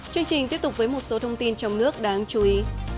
chương trình tiếp tục với một số thông tin trong nước đáng chú ý